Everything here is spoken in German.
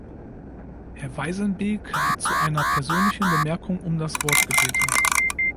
Herr Wijsenbeek hat zu einer persönlichen Bemerkung um das Wort gebeten.